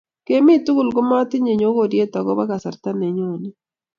Kemii tukul, matinye nyokoriet akoba kasarta nenyoni